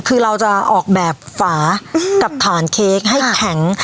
คือเราจะออกแบบฝากับฐานเค้กให้แข็ง